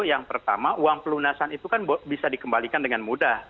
yang pertama uang pelunasan itu kan bisa dikembalikan dengan mudah